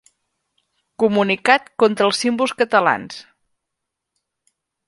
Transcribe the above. Comunicat contra els símbols catalans.